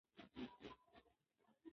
ده د بهرني فشار پر وړاندې احتياط کاوه.